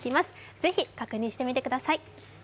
ぜひ確認してみてください。